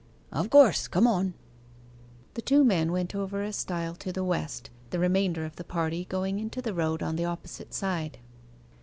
'Of course come on.' The two men went over a stile to the west, the remainder of the party going into the road on the opposite side.